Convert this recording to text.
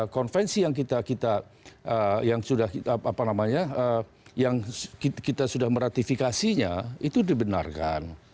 konvensi yang kita sudah meratifikasinya itu dibenarkan